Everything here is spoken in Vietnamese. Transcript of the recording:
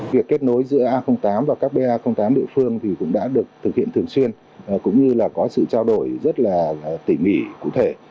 việc kết nối giữa a tám và các ba tám địa phương thì cũng đã được thực hiện thường xuyên cũng như là có sự trao đổi rất là tỉ mỉ cụ thể